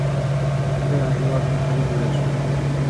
ددغه هېواد برخلیک بدل شو.